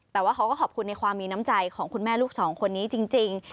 แต่ว่าเขาก็ขอบคุณในความมีน้ำใจของคุณแม่ลูกสองคนนี้จริง